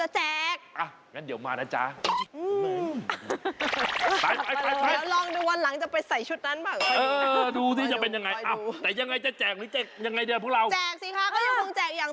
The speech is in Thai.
ชอบมอเตอร์ไซค์สวย